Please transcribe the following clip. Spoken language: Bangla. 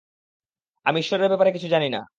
আমি ঈশ্বরের ব্যাপারে কিছু জানি না।